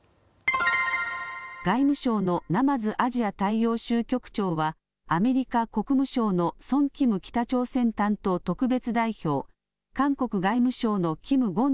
外務省の鯰アジア大洋州局長はアメリカ国務省のソン・キム北朝鮮担当特別代表、韓国外務省のキム・ゴン